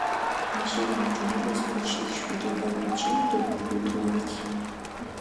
მაჟირა ოჭუმარეს ბოშიქ შვიდობა დუჩინუ დო ქუდუტუ ართი